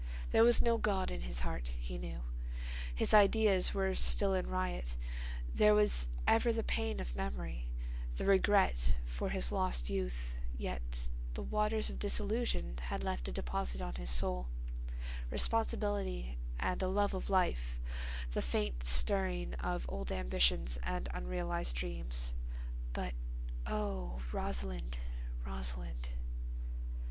There was no God in his heart, he knew; his ideas were still in riot; there was ever the pain of memory; the regret for his lost youth—yet the waters of disillusion had left a deposit on his soul, responsibility and a love of life, the faint stirring of old ambitions and unrealized dreams. But—oh, Rosalind! Rosalind!...